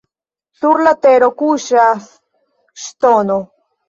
Sur la tero kuŝas ŝtono.